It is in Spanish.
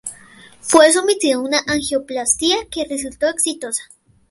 Fue sometido a una angioplastia que resultó exitosa.